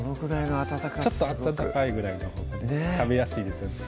すごくちょっと温かいぐらいのほうが食べやすいですよね